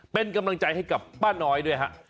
เป็นกำลังใจให้กับป้าน้อยด้วยฮะ